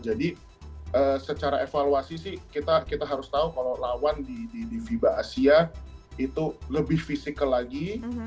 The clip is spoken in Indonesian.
jadi secara evaluasi sih kita harus tahu kalau lawan di fiba asia itu lebih physical lagi